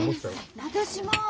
私も。